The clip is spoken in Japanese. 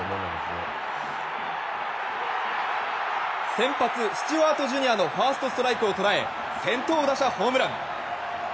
先発、スチュワート・ジュニアのファーストストライクを捉え先頭打者ホームラン！